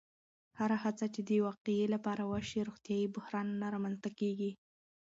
هره هڅه چې د وقایې لپاره وشي، روغتیایي بحران نه رامنځته کېږي.